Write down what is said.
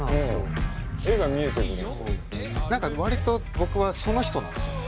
何か割と僕はその人なんです。